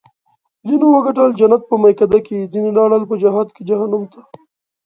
ځینو وګټل جنت په میکده کې ځیني لاړل په جهاد کې جهنم ته